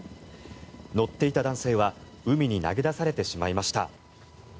乗っていた男性は海に投げ出されてしまいました。